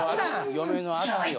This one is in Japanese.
嫁の圧よ。